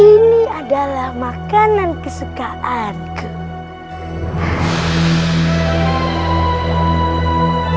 ini adalah makanan kesukaanku